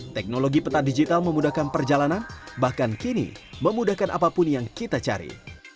teknologi peta digital memudahkan perjalanan bahkan kini memudahkan apapun yang kita cari